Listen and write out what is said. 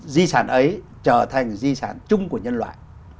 di sản ấy trở thành di sản chung của nhân loại